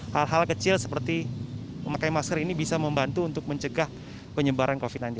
hal hal kecil seperti memakai masker ini bisa membantu untuk mencegah penyebaran covid sembilan belas